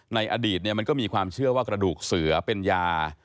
ในอดีตมันก็มีความเชื่อว่ากระดูกเสือเป็นยา